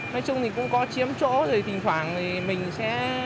nói chung thì cũng có chiếm chỗ rồi thỉnh thoảng thì mình sẽ